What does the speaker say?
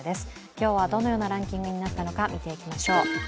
今日はどのようなランキングになったのか、見ていきましょう。